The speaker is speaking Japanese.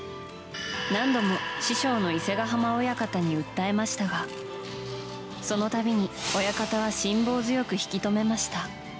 何度も師匠の伊勢ヶ濱親方に訴えましたがその度に親方は辛抱強く引き止めました。